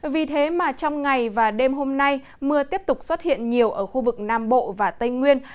vì thế mà trong ngày và đêm hôm nay mưa tiếp tục xuất hiện nhiều ở khu vực nam bộ và tây nguyên